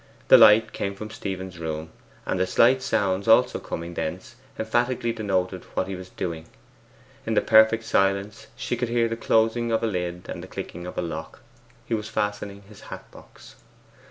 The light came from Stephen's room, and the slight sounds also coming thence emphatically denoted what he was doing. In the perfect silence she could hear the closing of a lid and the clicking of a lock, he was fastening his hat box.